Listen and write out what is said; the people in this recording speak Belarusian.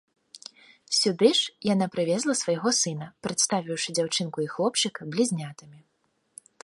Сюды ж яна прывезла свайго сына, прадставіўшы дзяўчынку і хлопчыка блізнятамі.